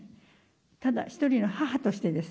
ただ一人の母としてです。